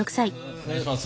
お願いいたします。